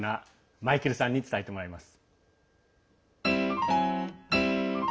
マイケルさんに伝えてもらいます。